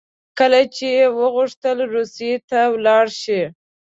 کله چې یې وغوښتل روسیې ته ولاړ شي.